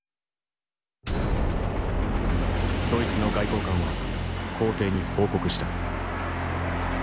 ドイツの外交官は皇帝に報告した。